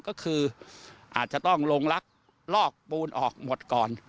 ก็คืออาจจะต้องลงลักลอกปูนออกหมดก่อน